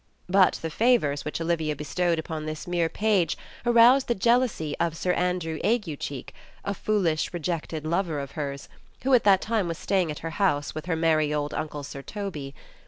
But the favors which Olivia bestowed upon this mere page aroused the jealousy of Sir Andrew Aguecheek, a foolish, rejected lover of hers, who at that time was staying at her house with her merry old uncle Sir Toby.